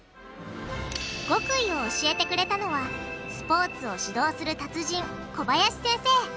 極意を教えてくれたのはスポーツを指導する達人小林先生。